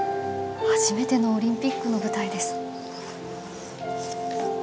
初めてのオリンピックの舞台です。